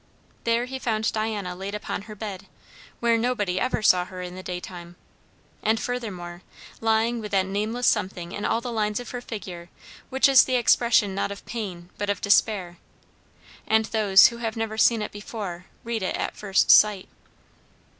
There he found Diana laid upon her bed, where nobody ever saw her in the day time; and furthermore, lying with that nameless something in all the lines of her figure which is the expression not of pain but of despair; and those who have never seen it before, read it at first sight.